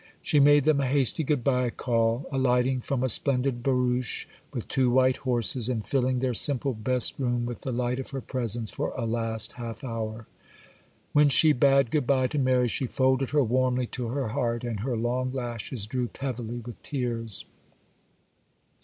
She made them a hasty good bye call,—alighting from a splendid barouche with two white horses, and filling their simple best room with the light of her presence for a last half hour. When she bade good bye to Mary, she folded her warmly to her heart, and her long lashes drooped heavily with tears.